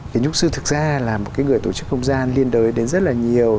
kiến trúc sư thực ra là một cái người tổ chức không gian liên đới đến rất là nhiều